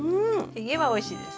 ひげはおいしいです。